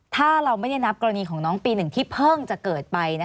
ถ้าเราไม่ได้นับกรณีของน้องปี๑ที่เพิ่งจะเกิดไป